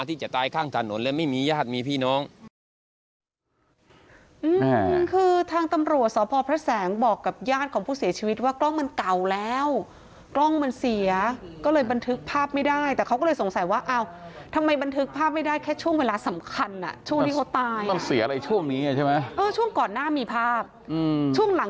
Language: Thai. ที่จะตายข้างถนนและไม่มีญาติมีพี่น้อง